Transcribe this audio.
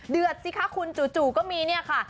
เดือดสิคะคุณจูก็มีค่ะ